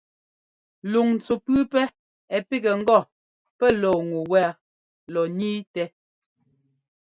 Luŋntsu pʉ́ʉpɛ́ ɛ́ pigɛ ŋgɔ pɛ́ lɔɔ ŋu wa lɔ ńniitɛ.